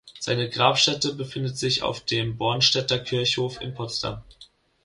Seine Grabstätte befindet sich auf dem Bornstedter Kirchhof in Potsdam.